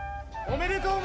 おめでとう！